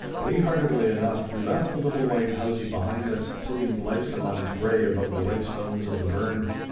Waeheartedly enough we left the little white housie behind us, sitting blythsome on its brae above the white stones of the burn.